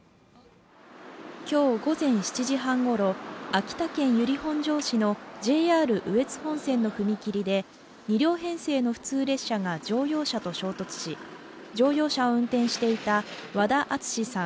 今日午前７時半ごろ、秋田県由利本荘市のＪＲ羽越本線の踏切で２両編成の普通列車が乗用車と衝突し、乗用車を運転していた和田篤さん